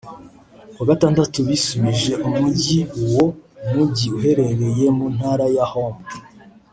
kuwa gatandatu bisubije umujyi uwo mujyi uherereye mu ntara ya Homs